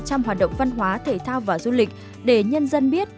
trong hoạt động văn hóa thể thao và du lịch để nhân dân biết